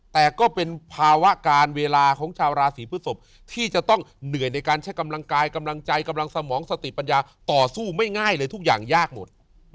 แต่ก็เป็นภาวะการเวลาของชาวราศีพฤศพที่จะต้องเหนื่อยในการใช้กำลังกายกำลังใจกำลังสมองสติปัญญาต่อสู้ไม่ง่ายเลยทุกอย่างยากหมด